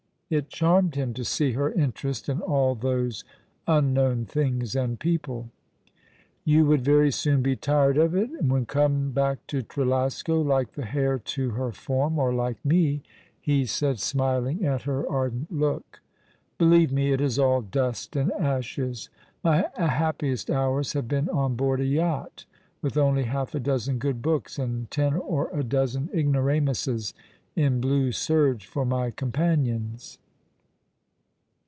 It charmed him to see her interest in all those unknown things and people. "You would very soon be tired of it, and would come back to Trelasco — like the hare to her form— or like me," he said, smiling at her ardent look. '' Believe me, it is all dust and ashes. My happiest hours have been on board a yacht, with only half a dozen good books, and ten or a dozen ignoramuses in blue serge for my companions."